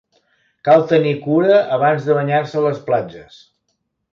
Cal tenir cura abans de banyar-se a les platges.